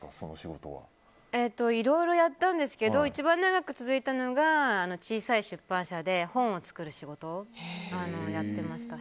いろいろやったんですけど一番長く続いたのが小さい出版社で本を作る仕事をやってました。